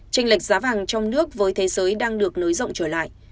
tranh lệch giá vàng trong nước với thế giới đang được nới rộng trở lại